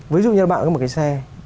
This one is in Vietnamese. ví dụ như là bạn có một cái xe